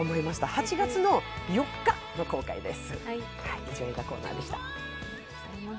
８月の４日の公開です。